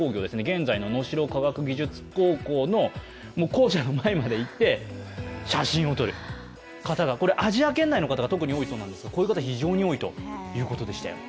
現在の能代科学技術高校の校舎の前まで行って写真を撮る方が、アジア圏内の方が特に多いそうなんですがこういう方が非常に多いということです。